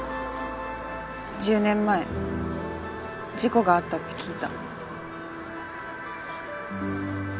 １０年前事故があったって聞いた